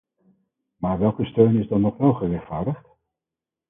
Maar welke steun is dan nog wel gerechtvaardigd?